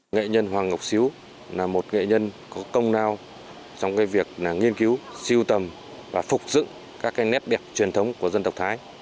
nghệ nhân hoàng ngọc xíu là một nghệ nhân có công nào trong cái việc là nghiên cứu siêu tầm và phục dựng các cái nét đẹp truyền thống của dân tộc thái